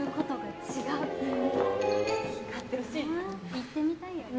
言ってみたいよね。